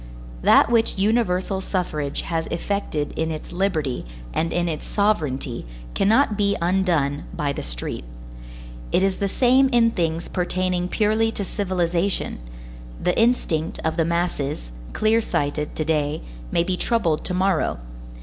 That which universal suffrage has effected in its liberty and in its sovereignty cannot be undone by the street. It is the same in things pertaining purely to civilization; the instinct of the masses, clear sighted to day, may be troubled to morrow.